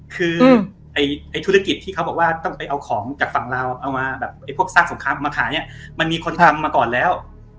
คือธุรกิจที่เขาบอกว่าต้องไปเอาของจากฝั่งเราทราบสมครามมาขายนี้มันมีคนทำมาก่อนแล้ว